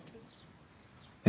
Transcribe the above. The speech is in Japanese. え？